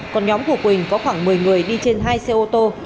còn nhóm của quỳnh có khoảng một mươi người đi trên hai xe ô tô